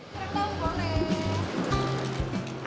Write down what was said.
kerang tahu boleh